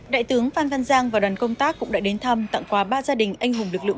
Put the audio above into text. đại tướng phan văn giang và đoàn công tác cũng đã đến thăm tặng quà ba gia đình anh hùng lực lượng